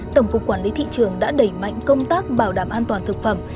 tổng cục quản lý thị trường đã đẩy mạnh công tác bảo đảm an toàn thực phẩm